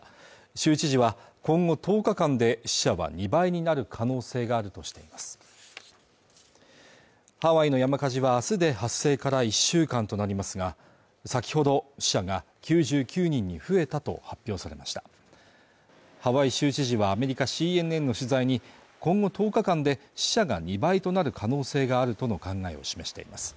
州知事は今後１０日間で死者は２倍になる可能性があるとしていますハワイの山火事はあすで発生から１週間となりますが先ほど死者が９９人に増えたと発表されましたハワイ州知事はアメリカＣＮＮの取材に今後１０日間で死者が２倍となる可能性があるとの考えを示しています